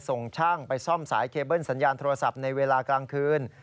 ส่งช่างไปซ่อมสายเคเบิ้ลสัญญาณโทรศัพท์ในเวลากลางคืน